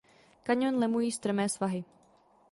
Kaňon lemují strmé svahy.